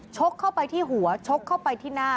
กเข้าไปที่หัวชกเข้าไปที่หน้า